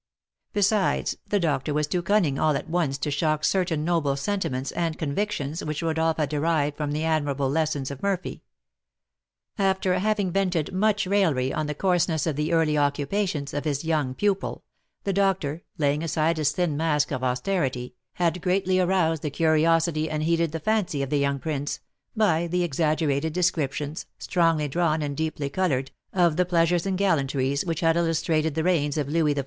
Besides, the doctor was too cunning all at once to shock certain noble sentiments and convictions which Rodolph had derived from the admirable lessons of Murphy. After having vented much raillery on the coarseness of the early occupations of his young pupil, the doctor, laying aside his thin mask of austerity, had greatly aroused the curiosity and heated the fancy of the young prince, by the exaggerated descriptions, strongly drawn and deeply coloured, of the pleasures and gallantries which had illustrated the reigns of Louis XIV.